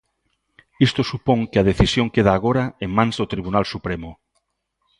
Isto supón que a decisión queda agora en mans do Tribunal Supremo.